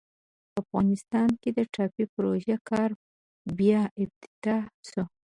په افغانستان کې د ټاپي پروژې کار بیا افتتاح سو.